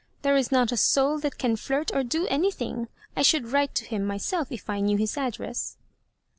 " There is not a soul that can flirt or do anything. I should write to him my self if I knew his address."